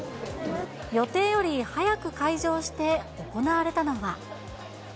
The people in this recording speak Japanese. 予定より早く開場して、行われたのは。